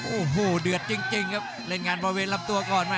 โอ้โหเดือดจริงครับเล่นงานบริเวณลำตัวก่อน